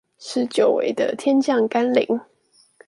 是久違的天降甘霖